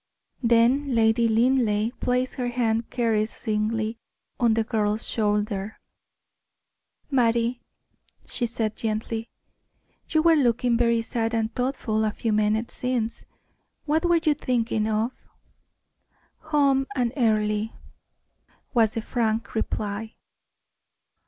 Then Lady Linleigh placed her hand caressingly on the girl's shoulder. "Mattie," she said, gently, "you were looking very sad and thoughtful a few minutes since. What were you thinking of?" "Home and Earle," was the frank reply.